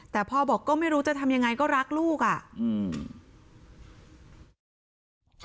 แต่พ่อบอกก็ไม่รู้จะทำยังไงก็รักลูกอ่ะอืม